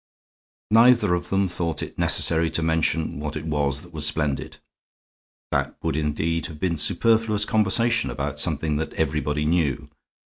Neither of them thought it necessary to mention what it was that was splendid. That would indeed have been superfluous conversation about something that everybody knew.